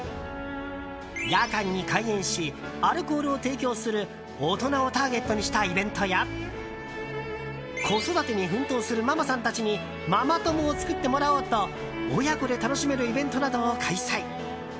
夜間に開園しアルコールを提供する大人をターゲットにしたイベントや子育てに奮闘するママさんたちにママ友を作ってもらおうと親子で楽しめるイベントなどを開催。